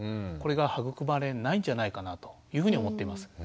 これが育まれないんじゃないかなというふうに思っています。